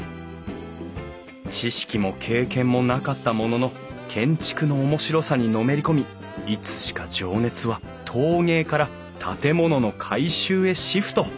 知識も経験もなかったものの建築の面白さにのめりこみいつしか情熱は陶芸から建物の改修へシフト。